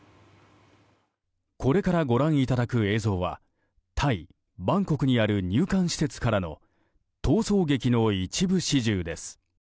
これからご覧いただく映像はタイ・バンコクにある入管施設からの逃走劇の一部始終です。